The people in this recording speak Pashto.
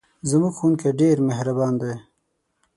زموږ ښوونکی ډېر مهربان دی.